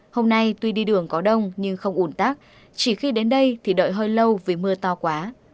hôm nay tuy đi đường có đông nhưng không ủn tắc chỉ khi đến đây thì đợi hơi lâu vì mưa to quá